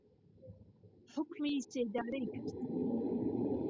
حوکمی سێدارەیکرد